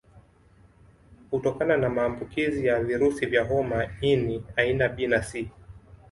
Hutokana na maambukizi ya virusi vya homa ini aina B na C